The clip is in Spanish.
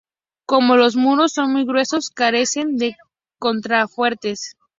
Como los muros son muy gruesos carecen de contrafuertes.